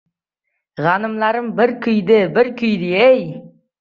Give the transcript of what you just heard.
G‘animlarim bir kuydi, bir kuydi-ye!